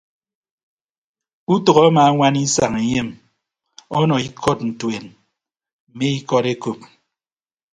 Utʌk amaañwana isañ enyem ọnọ ikọdọntuen mme ikọd ekop.